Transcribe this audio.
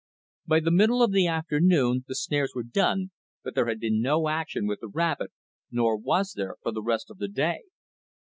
By the middle of the afternoon the snares were done, but there had been no action with the rabbit, nor was there for the rest of the day.